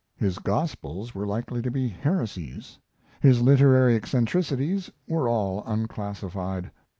His gospels were likely to be heresies; his literary eccentricities were all unclassified.